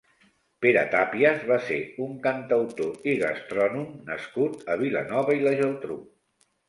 Pere Tàpias va ser un cantautor i gastrònom nascut a Vilanova i la Geltrú.